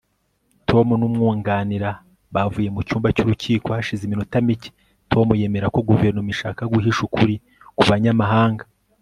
tom n'umwunganira bavuye mu cyumba cy'urukiko hashize iminota mike. tom yemera ko guverinoma ishaka guhisha ukuri ku banyamahanga